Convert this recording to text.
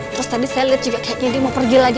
terus tadi saya lihat juga kayak gini mau pergi lagi